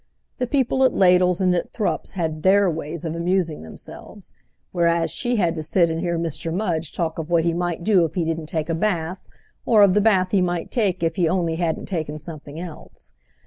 The people at Ladle's and at Thrupp's had their ways of amusing themselves, whereas she had to sit and hear Mr. Mudge talk of what he might do if he didn't take a bath, or of the bath he might take if he only hadn't taken something else.